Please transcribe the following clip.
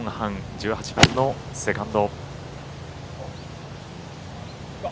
１８番のセカンド。